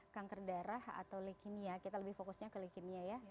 kanker darah atau leukemia kita lebih fokusnya ke leukemia ya